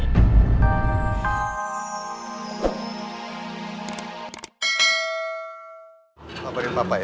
kabarin papa ya